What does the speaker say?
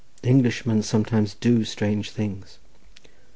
"Englishmen sometimes do strange things."